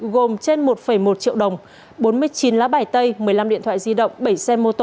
gồm trên một một triệu đồng bốn mươi chín lá bài tay một mươi năm điện thoại di động bảy xe mô tô